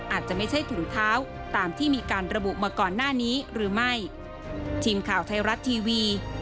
อาจจะไม่ใช่ถุงเท้าตามที่มีการระบุมาก่อนหน้านี้หรือไม่